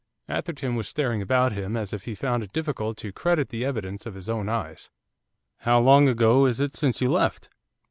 Atherton was staring about him as if he found it difficult to credit the evidence of his own eyes. 'How long ago is it since you left?